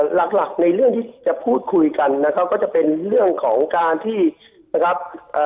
หลักหลักในเรื่องที่จะพูดคุยกันนะครับก็จะเป็นเรื่องของการที่นะครับเอ่อ